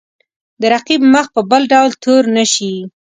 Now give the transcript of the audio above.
د رقیب مخ په بل ډول تور نه شي.